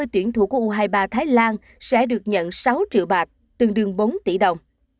hai tuyển thủ của u hai mươi ba thái lan sẽ được nhận sáu triệu bạc tương đương bốn tỷ đồng